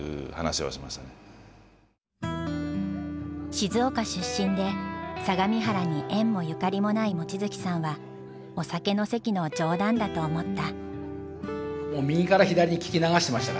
静岡出身で相模原に縁もゆかりもない望月さんはお酒の席の冗談だと思った。